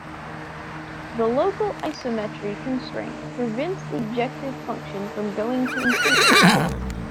The local isometry constraint prevents the objective function from going to infinity.